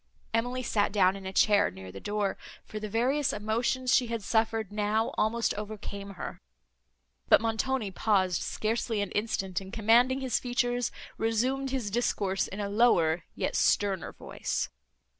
Emily sat down in a chair, near the door, for the various emotions she had suffered, now almost overcame her; but Montoni paused scarcely an instant, and, commanding his features, resumed his discourse in a lower, yet sterner voice.